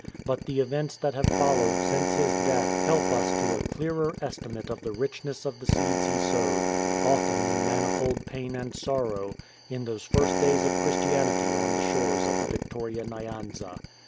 But the events that have followed since his death help us to a clearer estimate of the richness of the seeds he sowed, often in manifold pain and sorrow, in those first days of Christianity on the shores of the Victoria Nyanza.